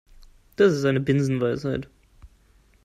Das ist eine Binsenweisheit.